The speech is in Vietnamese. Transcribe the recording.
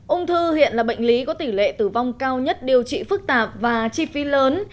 ung thư hiện là bệnh lý có tỷ lệ tử vong cao nhất điều trị phức tạp và chi phí lớn